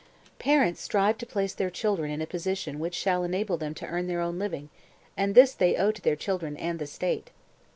230. "Parents strive to place their children in a position which shall enable them to earn their own living; and this they owe to their children and the state.